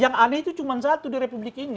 yang aneh itu cuma satu di republik ini